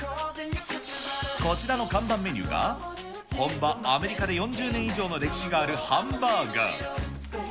こちらの看板メニューは、本場アメリカで４０年以上の歴史があるハンバーガー。